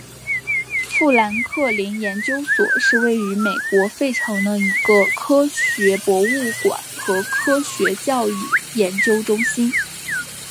富兰克林研究所是位于美国费城的一个科学博物馆和科学教育研究中心。